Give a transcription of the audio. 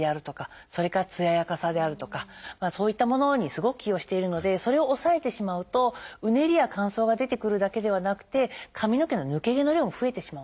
それからつややかさであるとかそういったものにすごく寄与しているのでそれを抑えてしまうとうねりや乾燥が出てくるだけではなくて髪の毛の抜け毛の量も増えてしまうんですね。